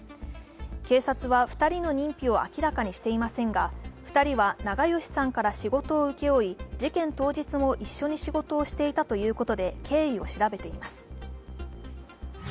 警察は２人の認否を明らかにしていませんが、２人は長葭さんから仕事を請け負い、事件当日も一緒に仕事をしていたということで経緯を調べています。